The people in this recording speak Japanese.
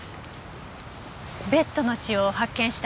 ベッドの血を発見した